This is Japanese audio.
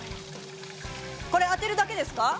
これ当てるだけですか？